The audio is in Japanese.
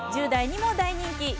１０代にも大人気。